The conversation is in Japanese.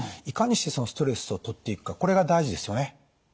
いかにしてストレスを取っていくかこれが大事ですよね。